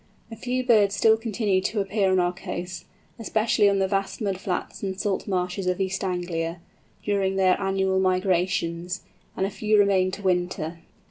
A few birds still continue to appear on our coasts, especially on the vast mud flats and salt marshes of East Anglia, during their annual migrations, and a few remain to winter.